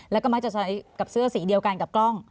แล้วก็มักจะใช้กับเสื้อสีเดียวกันกับกล้อง